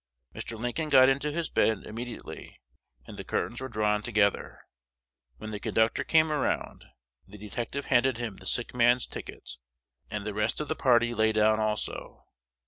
Mr. Lincoln got into his bed immediately; and the curtains were drawn together. When the conductor came around, the detective handed him the "sick man's" ticket; and the rest of the party lay down also.